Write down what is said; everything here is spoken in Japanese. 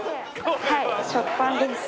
はい食パンです。